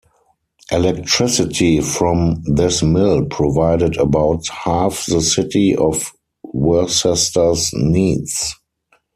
Electricity from this mill provided about half the city of Worcester's needs.